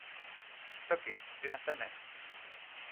toki. sina seme?